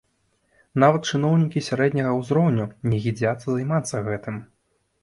Нават чыноўнікі сярэдняга ўзроўню не гідзяцца займацца гэтым.